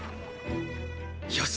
よし！